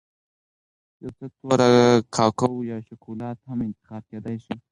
یو څه تور کاکاو یا شکولات هم انتخاب کېدای شي.